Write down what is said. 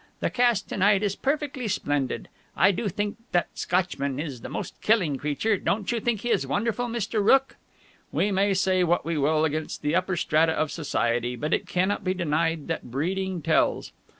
The cast to night is perfectly splendid. I do think that Scotchman is the most killing creature! Don't you think he is wonderful, Mr. Rooke?" We may say what we will against the upper strata of Society, but it cannot be denied that breeding tells.